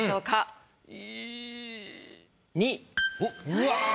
うわ。